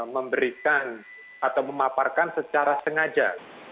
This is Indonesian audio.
memberikan atau memaparkan secara sengaja